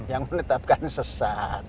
yang menetapkan sesat